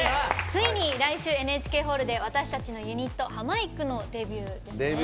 ついに来週、ＮＨＫホールで私たちのユニットハマいくのデビューですね。